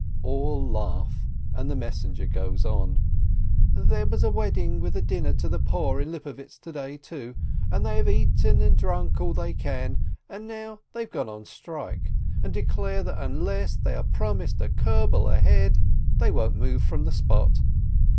All laugh, and the messenger goes on : "There was a wedding with a dinner to the poor in Lipovietz to day, too, and they have eaten and drunk all they can, and now they've gone on strike, and declare that unless they are promised a kerbel a head, they won't move from the spot.